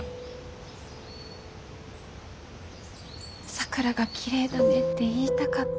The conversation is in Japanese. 桜がきれいだねって言いたかった。